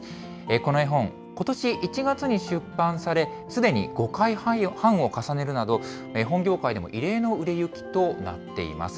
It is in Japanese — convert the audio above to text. この絵本、ことし１月に出版され、すでに５回版を重ねるなど、絵本業界でも異例の売れ行きとなっています。